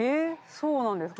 そうなんですか？